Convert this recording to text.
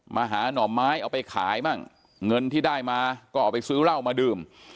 มาหาหน่อไม้เอาไปขายบ้างเงินที่ได้มาก็เอาไปซื้อเหล้ามาดื่ม